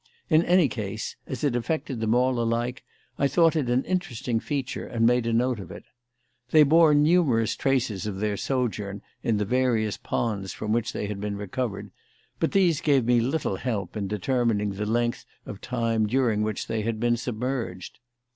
In any case, as it affected them all alike, I thought it an interesting feature and made a note of it. They bore numerous traces of their sojourn in the various ponds from which they had been recovered, but these gave me little help in determining the length of time during which they had been submerged.